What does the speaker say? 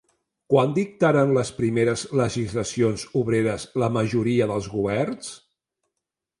Quan dictaren les primeres legislacions obreres la majoria dels governs?